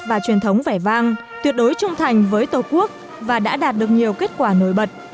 và truyền thống vẻ vang tuyệt đối trung thành với tổ quốc và đã đạt được nhiều kết quả nổi bật